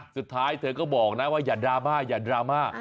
สุดท้ายเธอก็บอกนะว่าอย่าดราม่า